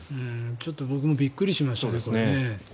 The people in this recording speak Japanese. ちょっと僕もびっくりしましたね。